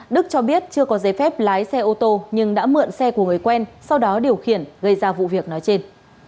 đức cho biết chưa có giấy phép lái xe ô tô nhưng đã mượn xe của người quen sau đó điều khiển gây ra vụ việc nói trên